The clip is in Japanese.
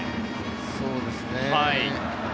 そうですね。